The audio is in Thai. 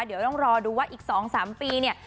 เดี๋ยวต้องรอดูว่าอีก๒๓ปีเนี่ย